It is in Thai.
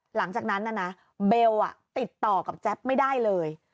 หลังจากนั้นนะเบลติดต่อกับแจ๊บไม่ได้เลย